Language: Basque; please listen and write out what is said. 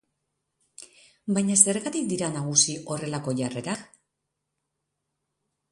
Baina zergatik dira nagusi horrelako jarrerak?